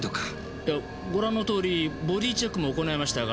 いやご覧の通りボディーチェックも行いましたが